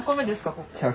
ここ。